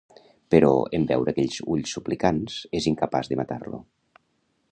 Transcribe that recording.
Però en veure aquells ulls suplicants, és incapaç de matar-lo.